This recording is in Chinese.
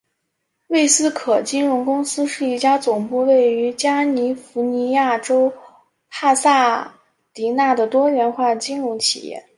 魏斯可金融公司是一家总部位于加尼福尼亚州帕萨迪纳的多元化金融企业。